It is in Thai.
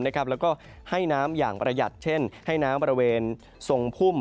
แล้วก็ให้น้ำอย่างประหยัดเช่นให้น้ำบริเวณทรงพุ่ม